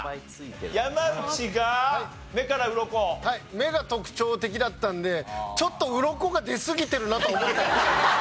目が特徴的だったのでちょっとうろこが出すぎてるなと思ったんですけど。